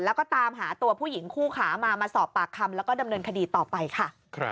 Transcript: แล้วก็ตามหาตัวผู้หญิงคู่ขามามาสอบปากคำแล้วก็ดำเนินคดีต่อไปค่ะ